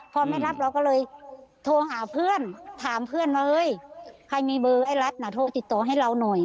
พอไม่รับเราก็เลยโทรหาเพื่อนถามเพื่อนว่าเฮ้ยใครมีเบอร์ไอ้รัฐน่ะโทรติดต่อให้เราหน่อย